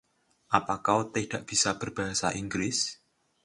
Apa kau tidak bisa berbahasa Inggris?